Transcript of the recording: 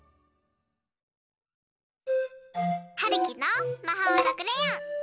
はるきのまほうのクレヨン！